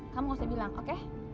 kamu gak usah bilang oke